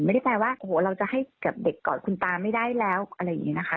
ไม่ได้แปลว่าโอ้โหเราจะให้กับเด็กกอดคุณตาไม่ได้แล้วอะไรอย่างนี้นะคะ